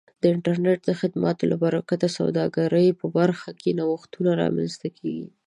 د انټرنیټ د خدماتو له برکت د سوداګرۍ په برخه کې نوښتونه رامنځته کیږي.